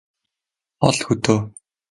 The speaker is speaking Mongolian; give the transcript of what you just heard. хол хөдөө